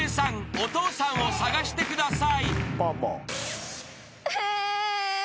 お父さんを捜してください］